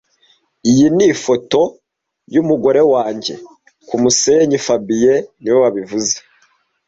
Iyi ni ifoto yumugore wanjye kumusenyi fabien niwe wabivuze